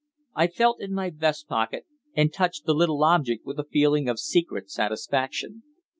I felt in my vest pocket and touched the little object with a feeling of secret satisfaction.